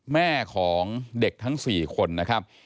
แม่ของเด็กทั้ง๔คนนะครับ